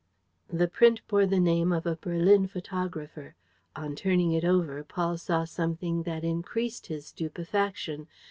The print bore the name of a Berlin photographer. On turning it over, Paul saw something that increased his stupefaction.